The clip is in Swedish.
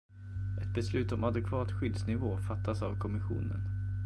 Ett beslut om adekvat skyddsnivå fattas av kommissionen.